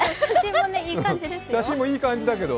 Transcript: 写真もいい感じだけど。